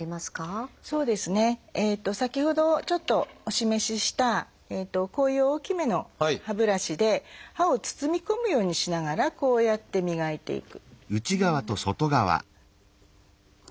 そうですね先ほどちょっとお示ししたこういう大きめの歯ブラシで歯を包み込むようにしながらこうやって磨いていく。